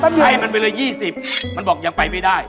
ใช่มันเวลา๒๐มันบอกยังไปไม่ได้